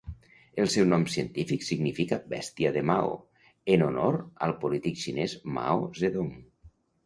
El seu nom científic significa "bèstia de Mao", en honor al polític xinès Mao Zedong.